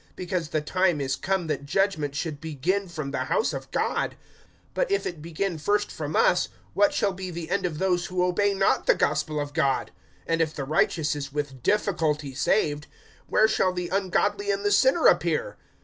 (17)Because the time is come that judgment should begin from the house of God; but if it begin first from us, what shall be the end of those who obey not the gospel of God? (18)And if the righteous is with difficulty saved, where shall the ungodly and the sinner appear?